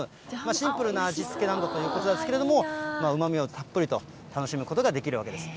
シンプルな味付けなんだそうですけれども、うまみをたっぷりと楽しむことができるわけです。